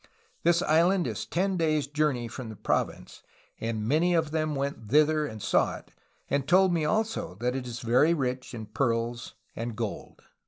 This island is ten days' journey from the province, and many of them went thither and saw it, and told me also that it is very rich in pearls and gold."